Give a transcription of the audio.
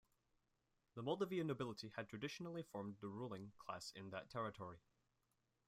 The Moldavian nobility had traditionally formed the ruling class in that territory.